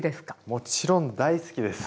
もちろん大好きです。